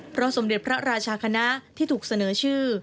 เพราะสมเด็จพระราชาคณะที่ถูกเสนอชื่อ